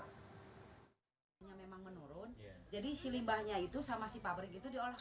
jadi si limbahnya itu sama si pabrik itu diolahkan